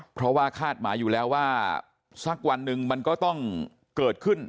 เพราะว่าคาดหมายอยู่แล้วว่าสักวันหนึ่งมันก็ต้องเกิดขึ้น